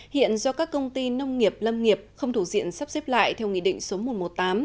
hiện do các công ty nông nghiệp lâm nghiệp không thủ diện sắp xếp lại theo nghị định số một trăm một mươi tám